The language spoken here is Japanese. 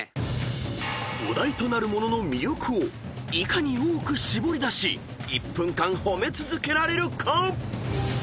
［お題となる物の魅力をいかに多く絞り出し１分間褒め続けられるか］